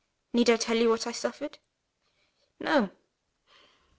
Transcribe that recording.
_ Need I tell you what I suffered? No.